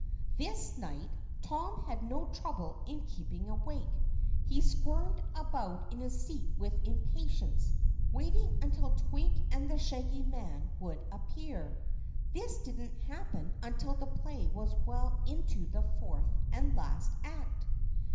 This night, Tom had no trouble in keeping awake. He squirmed about in his seat with impatience, waiting until Twink and the Shaggy Man would appear. This didn't happen until the play was well into the fourth and last act.